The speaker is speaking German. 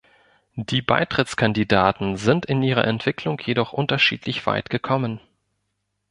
Die Beitrittskandidaten sind in ihrer Entwicklung jedoch unterschiedlich weit gekommen.